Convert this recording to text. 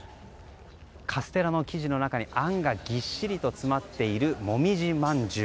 カステラの生地の中にあんがぎっしりと詰まっているもみじまんじゅう。